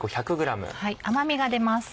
甘みが出ます。